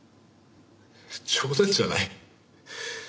冗談じゃない。